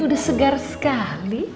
udah segar sekali